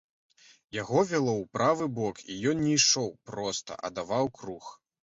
Яго вяло ў правы бок, і ён не ішоў проста, а даваў круг.